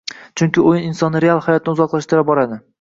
Chunki oʻyin insonni real hayotdan uzoqlashtira boradi